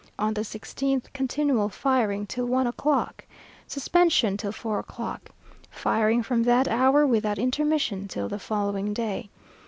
On the 16th, continual firing till one o'clock. Suspension till four o'clock. Firing from that hour, without intermission, till the following day.